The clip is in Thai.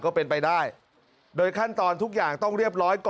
ก็เป็นไปได้โดยขั้นตอนทุกอย่างต้องเรียบร้อยก่อน